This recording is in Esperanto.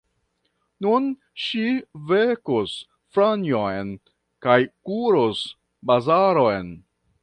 Nun ŝi vekos Franjon kaj kuros bazaron.